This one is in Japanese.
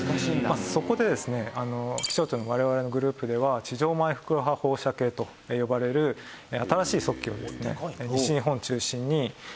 そこでですね気象庁の我々のグループでは地上マイクロ波放射計と呼ばれる新しい測器をですね西日本中心に設置をしてまして。